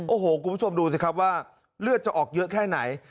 โอ้โหคุณผู้ชมดูสิครับว่าเลือดจะออกเยอะแค่ไหน